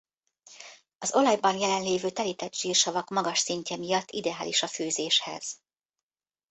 Az olajban jelenlévő telített zsírsavak magas szintje miatt ideális a főzéshez.